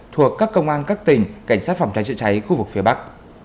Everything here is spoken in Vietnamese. thuộc các công an các tỉnh cảnh sát phòng cháy chữa cháy khu vực phía bắc